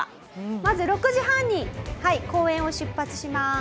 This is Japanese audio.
まず６時半に公園を出発します。